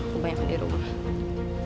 kebanyakan di rumah